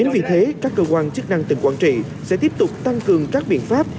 vì thế các cơ quan chức năng tỉnh quảng trị sẽ tiếp tục tăng cường các biện pháp